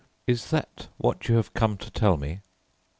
"Is that what you have come to tell me?"